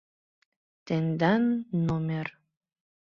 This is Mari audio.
Тендан №...